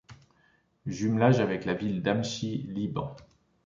Jumelage avec la ville d'Amchit Liban.